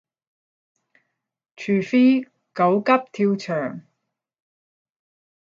除非狗急跳墻